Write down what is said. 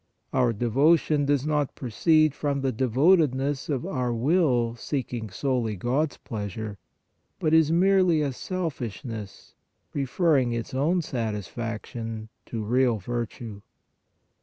Our devotion does 184 PRAYER not proceed from the devotedness of our will seek ing solely God s pleasure, but is merely a selfishness preferring its own satisfaction to real virtue.